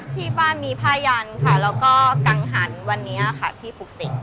ที่บ้านมีพญานค่ะแล้วก็กังหันวันนี้ค่ะที่ภูกษิงศ์